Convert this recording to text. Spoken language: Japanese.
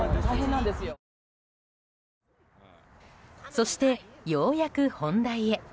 そして、ようやく本題へ。